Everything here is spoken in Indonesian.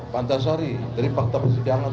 pantasari dari fakta persidangan